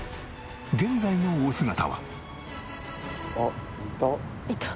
現在のお姿は？